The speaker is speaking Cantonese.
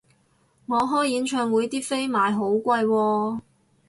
我開演唱會啲飛賣好貴喎